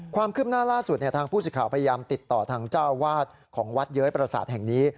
ความคืบหน้าล่าสุดทางผู้สิทธิ์พยายามติดต่อทางเจ้าอาวาสของวัดเย้ยประสาทแห่งนี้